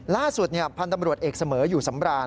ล่าสุดพันธ์ตำรวจเอกเสมออยู่สำราญ